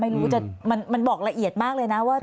ไม่รู้จะมันบอกละเอียดมากเลยนะว่า